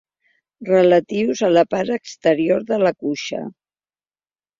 Relatius a la part exterior de la cuixa.